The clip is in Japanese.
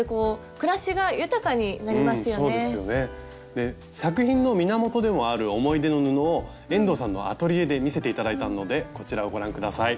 で作品の源でもある思い出の布を遠藤さんのアトリエで見せて頂いたのでこちらをご覧ください。